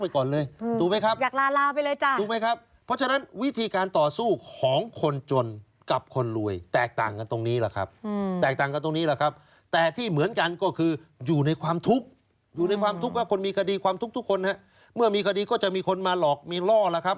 เพราะฉะนั้นวิธีการต่อสู้ของคนจนกับคนรวยแตกต่างกันตรงนี้แหละครับ